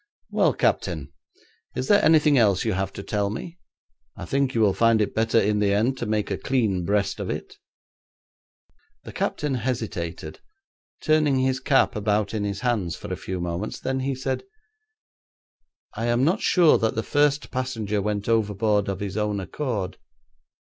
'Well, captain, is there anything else you have to tell me? I think you will find it better in the end to make a clean breast of it.' The captain hesitated, turning his cap about in his hands for a few moments, then he said, 'I am not sure that the first passenger went overboard of his own accord.